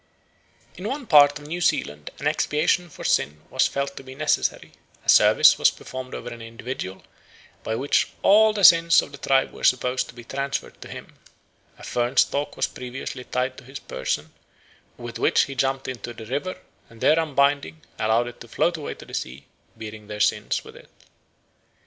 "In one part of New Zealand an expiation for sin was felt to be necessary; a service was performed over an individual, by which all the sins of the tribe were supposed to be transferred to him, a fern stalk was previously tied to his person, with which he jumped into the river, and there unbinding, allowed it to float away to the sea, bearing their sins with it."